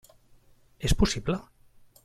És possible?